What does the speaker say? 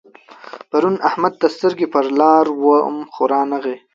پرون احمد ته سترګې پر لار وم خو نه راغی.